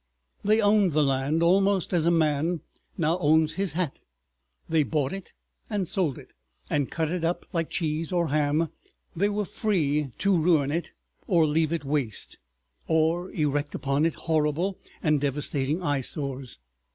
They owned the land almost as a man now owns his hat; they bought it and sold it, and cut it up like cheese or ham; they were free to ruin it, or leave it waste, or erect upon it horrible and devastating eyesores.